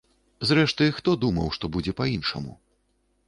Зрэшты, хто думаў што будзе па іншаму?